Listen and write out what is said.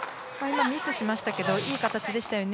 ミスしましたけどいい形でしたね。